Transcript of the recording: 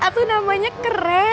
atu namanya keren